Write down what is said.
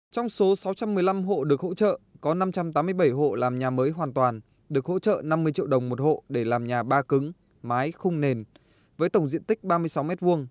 trong số sáu trăm một mươi năm hộ được hỗ trợ có năm trăm tám mươi bảy hộ làm nhà mới hoàn toàn được hỗ trợ năm mươi triệu đồng một hộ để làm nhà ba cứng mái khung nền với tổng diện tích ba mươi sáu m hai